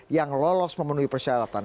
yang lolos memenuhi persyaratan